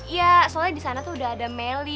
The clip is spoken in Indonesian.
ya soalnya disana tuh udah ada meli